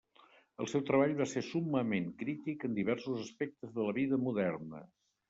El seu treball va ser summament crític en diversos aspectes de la vida moderna.